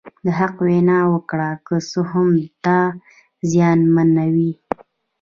د حق وینا وکړه که څه هم تا زیانمنوي.